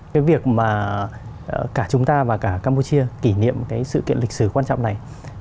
cái việc mà cả chúng ta và cả campuchia kỷ niệm cái sự kiện lịch sử quan trọng này